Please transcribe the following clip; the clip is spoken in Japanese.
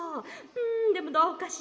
うんでもどうかしら？